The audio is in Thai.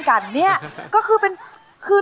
ยังเพราะความสำคัญ